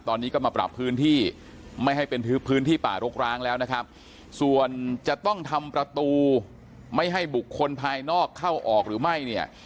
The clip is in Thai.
ตอนนี้ก็มาปรับพื้นที่ไม่ให้เป็นพื้นที่ป่ารกร้างแล้วนะครับส่วนจะต้องทำประตูไม่ให้บุคคลภายนอกเข้าออกหรือไม่เนี่ย